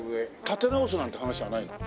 建て直すなんて話はないの？